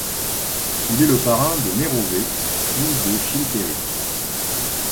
Il est le parrain de Mérovée, fils de Chilpéric.